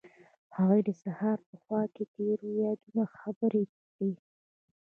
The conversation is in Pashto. هغوی د سهار په خوا کې تیرو یادونو خبرې کړې.